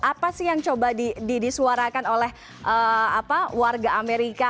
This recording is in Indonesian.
apa sih yang coba disuarakan oleh warga amerika